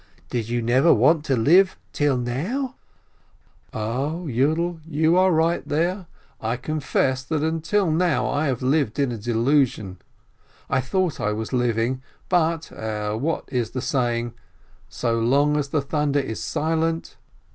Did you never want to live till now?" 48 JEHALEL "Oh, Yiidel, you are right there. I confess that till now I have lived in a delusion, I thought I was living; but — what is the saying? — so long as the thunder is silent